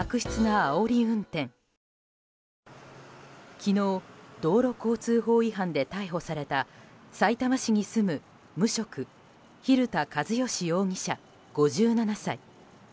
昨日、道路交通法違反で逮捕されたさいたま市に住む無職蛭田和良容疑者、５７歳。